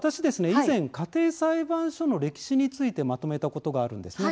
以前、家庭裁判所の歴史についてまとめたことがあるんですね。